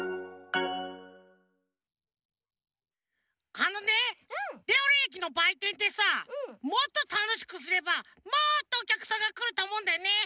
あのねレオレオえきのばいてんってさもっとたのしくすればもっとおきゃくさんがくるとおもうんだよね。